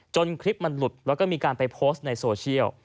คลิปมันหลุดแล้วก็มีการไปโพสต์ในโซเชียล